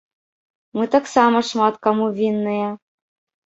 Мы таксама шмат каму вінныя.